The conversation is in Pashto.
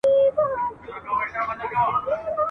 لکه نه وي پردې مځکه زېږېدلی ..